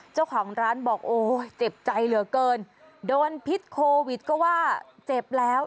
เจ้าของร้านบอกโอ้เจ็บใจเหลือเกินโดนพิษโควิดก็ว่าเจ็บแล้ว